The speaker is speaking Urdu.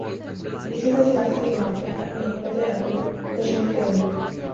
اسی سے سیاسی جماعتیں اپنی حکمت عملی کشید کریں گی۔